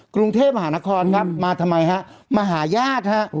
กรุงเทพมหานครครับมาทำไมฮะมาหาญาติฮะ